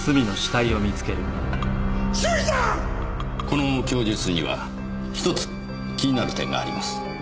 この供述には１つ気になる点があります。